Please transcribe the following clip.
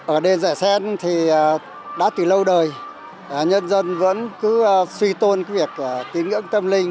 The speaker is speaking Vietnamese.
ở đèn rẻ xen thì đã từ lâu đời nhân dân vẫn cứ suy tôn việc kiếm ngưỡng tâm linh